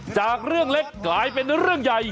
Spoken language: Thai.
จากเรื่องเล็กกลายเป็นเรื่องใหญ่